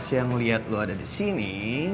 ini ips yang liat lo ada di sini